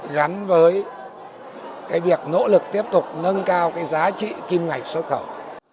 gắn với cái việc nỗ lực tiếp tục nâng cao cái giá trị kim ngạch xuất khẩu